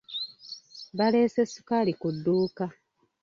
Baleese ssukaali ku dduuka.